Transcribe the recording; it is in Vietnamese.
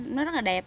nó rất là đẹp